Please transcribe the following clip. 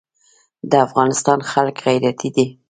د افغانستان خلک غیرتي دي